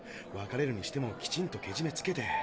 別れるにしてもきちんとけじめつけて。